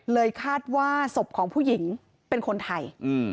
คาดว่าศพของผู้หญิงเป็นคนไทย